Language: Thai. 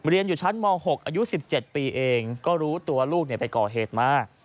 เรียนอยู่ชั้นม๖อายุ๑๗ปีเองก็รู้ตัวลูกไปก่อเหตุมา